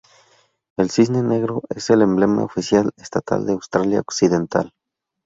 El cisne negro es el emblema oficial estatal de Australia Occidental.